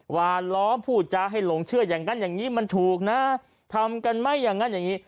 หวานล้อมพูดจาให้หลงเชื่ออย่างนั้นอย่างนี้มันถูกนะทำกันไหมอย่างนั้นอย่างนี้